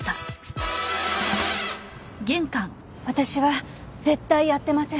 私は絶対やってません。